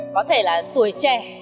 có thể là tuổi trẻ